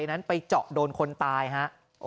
นั้นไปเจาะโดนคนตายฮะ